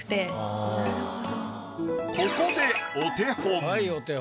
ここでお手本。